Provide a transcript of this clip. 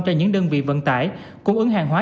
cho những đơn vị vận tải cung ứng hàng hóa